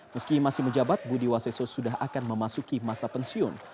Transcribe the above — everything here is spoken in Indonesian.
meski masih menjabat budi waseso sudah akan memasuki masa pensiun